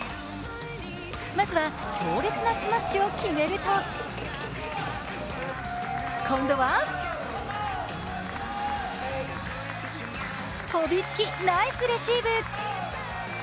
まずは、強烈なスマッシュを決めると、今度は飛びつき、ナイスレシーブ。